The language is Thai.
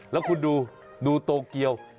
แล้วคุณดูดูโตเกียว